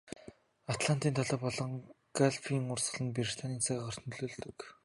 Атлантын далай болоод Галфын урсгал нь Британийн цаг агаарт нөлөөлдөг.